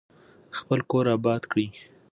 خپل کور اباد کړئ.